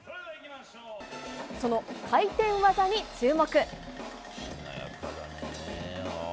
その回転技に注目。